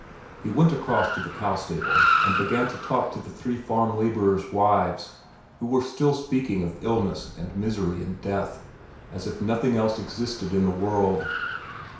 He went across to the cow stable and began to talk to the three farm laborers' wives, who were still speaking of illness and misery and death, as if nothing else existed in the world.